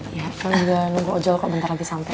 iya kan udah nunggu ojol kok bentar lagi sampai